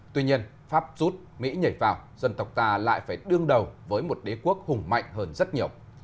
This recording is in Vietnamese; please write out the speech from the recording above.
tuy nhiên pháp rút mỹ nhảy vào dân tộc ta lại phải đương đầu với một đế quốc hùng mạnh hơn rất nhiều